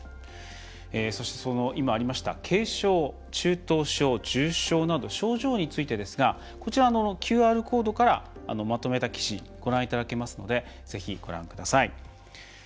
そして、今ありました軽症、中等症、重症など症状についてですがこちらのＱＲコードからまとめた記事ご覧いただけますのでぜひご覧ください。